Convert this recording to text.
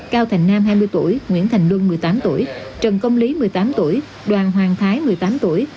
cao thành nam hai mươi tuổi nguyễn thành luân một mươi tám tuổi trần công lý một mươi tám tuổi đoàn hoàng thái một mươi tám tuổi